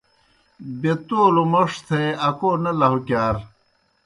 بے تولوْ موْݜ تھے اکو نہ لہُوکِیار۔